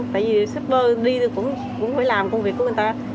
tại vì shipper đi cũng phải làm công việc của người ta